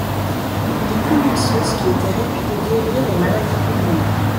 Il y coule une source qui était réputée guérir les maladies pulmonaires.